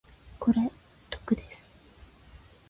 これ毒です。